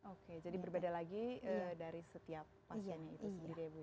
oke jadi berbeda lagi dari setiap pasiennya itu sendiri ya ibu